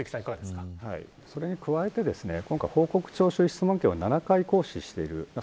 それに加えて今回報告聴衆質問権を７回行使している。